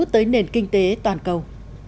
tới nền kinh tế toàn cầu